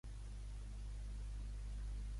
En l'habitació de l'endevina.